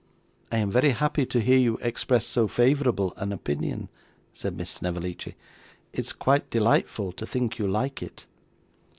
'I am very happy to hear you express so favourable an opinion,' said Miss Snevellicci. 'It's quite delightful to think you like it.